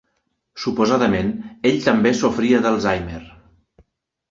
Suposadament, ell també sofria d'Alzheimer.